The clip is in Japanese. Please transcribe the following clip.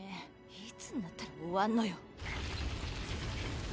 いつんなったら終わんのよ。